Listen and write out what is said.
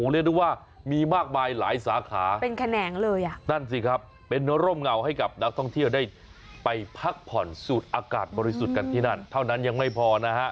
เรียกได้ว่ามีมากมายหลายสาขาเป็นแขนงเลยอ่ะนั่นสิครับเป็นร่มเงาให้กับนักท่องเที่ยวได้ไปพักผ่อนสูดอากาศบริสุทธิ์กันที่นั่นเท่านั้นยังไม่พอนะฮะ